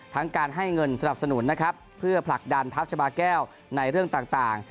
การให้เงินสนับสนุนนะครับเพื่อผลักดันทัพชาบาแก้วในเรื่องต่าง